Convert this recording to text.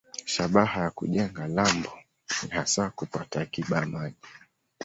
Shabaha ya kujenga lambo ni hasa kupata akiba ya maji.